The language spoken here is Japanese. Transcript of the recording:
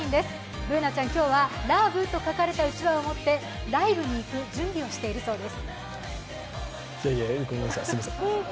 Ｂｏｏｎａちゃん、今日はＬＯＶＥと書かれたうちわを持ってライブに行く準備をしているそうです。